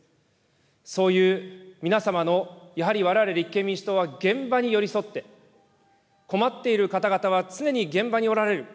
そういう皆様のやはりわれわれ立憲民主党は現場に寄り添って、困っている方々は常に現場におられる。